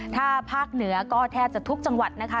ถ้าภาคเหนือก็แทบจะทุกจังหวัดนะคะ